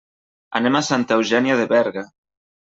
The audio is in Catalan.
Anem a Santa Eugènia de Berga.